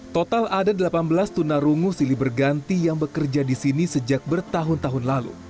total ada delapan belas tunarungu silih berganti yang bekerja di sini sejak bertahun tahun lalu